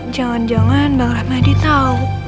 jangan jangan bang rahmadi tahu